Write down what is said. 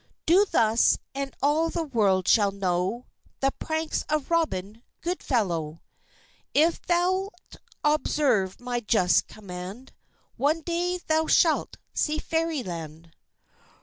_ "_Do thus, and all the world shall know The pranks of Robin Goodfellow. If thou'lt observe my just command, One day thou shalt see Fairyland.